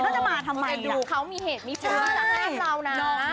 เขาจะมาทำไมล่ะเขามีเหตุมีความสำหรับเรานะ